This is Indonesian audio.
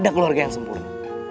kalau enggak egois